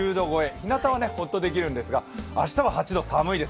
日なたはほっとできるんですが明日は８度、寒いです。